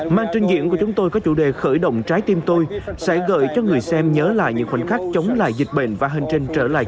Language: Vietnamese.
màn trình diễn của chúng tôi có chủ đề khởi động trái tim tôi sẽ gợi cho người xem nhớ lại những khoảnh khắc chống lại dịch bệnh và hành trình trở lại